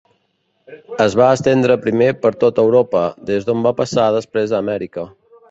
Es va estendre primer per tot Europa, des d'on va passar després a Amèrica.